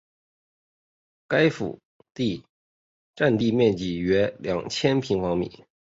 该府第占地面积约两千平方米。